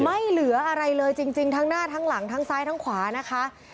ไม่เหลืออะไรเลยจริงทั้งหน้าทั้งหลังทั้งซ้ายทั้งขวานะคะ